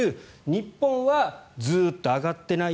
日本はずっと上がってない。